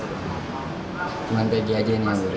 cuma pgj aja nih yang berada